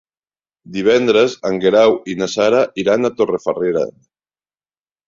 Divendres en Guerau i na Sara iran a Torrefarrera.